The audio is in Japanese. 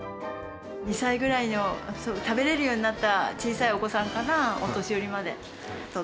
２歳ぐらいの食べられるようになった小さいお子さんから。